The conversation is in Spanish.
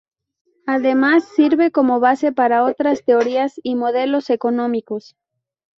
Además, sirve como base para otras teorías y modelos económicos.